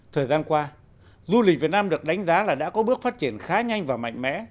thời gian qua du lịch việt nam được đánh giá là đã có bước phát triển khá nhanh và mạnh mẽ